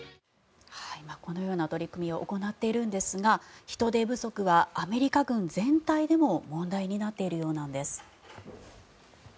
このような取り組みを行っているんですが人手不足はアメリカ軍全体でも問題になっているようなんです。